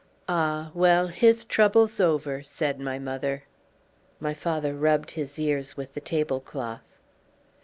"Ah! well, his trouble's over," said my mother. My father rubbed his ears with the tablecloth.